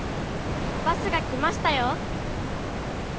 バスが来ましたよ。